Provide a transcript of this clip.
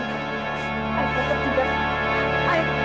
saya mau ke tibet